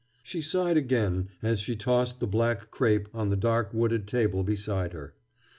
She sighed again as she tossed the black crepe on the dark wooded table beside her.